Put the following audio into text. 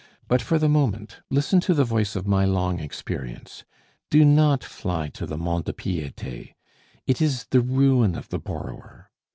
But for the moment, listen to the voice of my long experience. Do not fly to the Mont de Piete; it is the ruin of the borrower.